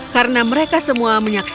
karena mereka semua menyakitkan